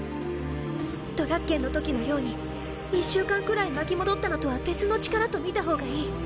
ドラッケンの時のように１週間くらい巻き戻ったのとは別の力と見た方がいい